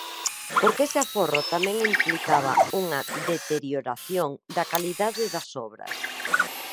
Porque ese aforro tamén implicaba unha deterioración da calidade das obras.